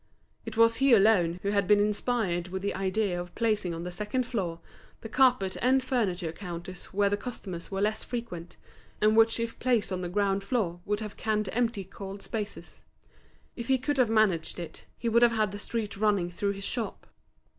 It was he alone who had been inspired with the idea of placing on the second floor the carpet and furniture counters where the customers were less frequent, and which if placed on the ground floor would have canned empty cold spaces. If he could have managed it, he would have had the street running through his shop.